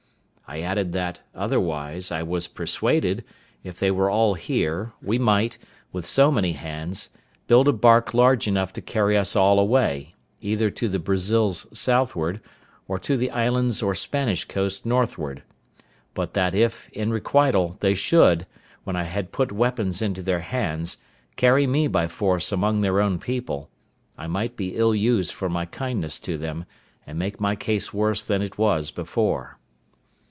I added that, otherwise, I was persuaded, if they were all here, we might, with so many hands, build a barque large enough to carry us all away, either to the Brazils southward, or to the islands or Spanish coast northward; but that if, in requital, they should, when I had put weapons into their hands, carry me by force among their own people, I might be ill used for my kindness to them, and make my case worse than it was before.